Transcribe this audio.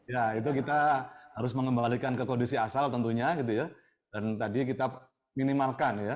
ya itu kita harus mengembalikan ke kondisi asal tentunya gitu ya dan tadi kita minimalkan ya